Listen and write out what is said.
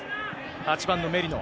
８番のメリノ。